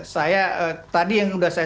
saya tadi yang sudah saya